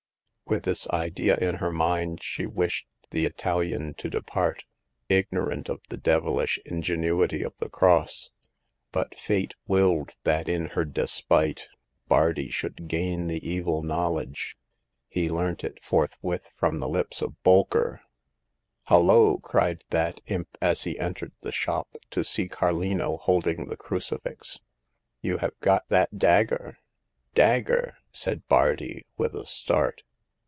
With this idea in her mind she wished the Italian to depart, ignorant of the devilish in genuity of the cross. But Fate willed that in her despite Bardi should gain the evil knowledge. He learnt it forthwith from the lips of Bolker. Hullo !cried that imp, as he entered the shop, to see Carlino holding the crucifix. " You have got that dagger ?"Dagger !" said Bardi, with a start.